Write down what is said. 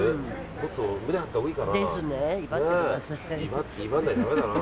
もっと胸張ったほうがいいかな。